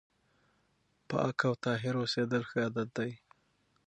پاک او طاهر اوسېدل ښه عادت دی.